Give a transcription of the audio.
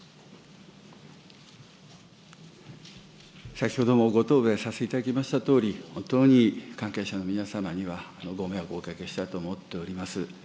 先ほどもご答弁させていただきましたとおり、本当に関係者の皆様にはご迷惑をおかけしたと思っております。